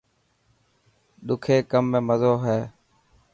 ڏکي ڪم ۾ مزو هي.